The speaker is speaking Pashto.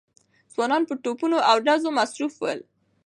ځوانان په توپونو او ډزو مصروف ول.